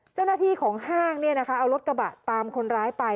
เจ้าหน้าที่ของห้างเอารถกระบะตามคนร้ายไป